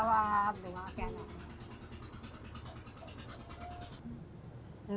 ini anaknya selamat